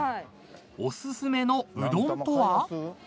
［おすすめのうどんとは？］